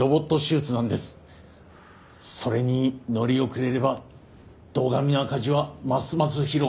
それに乗り遅れれば堂上の赤字はますます広がってしまう。